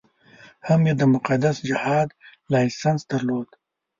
هم یې د مقدس جهاد لایسنس درلود.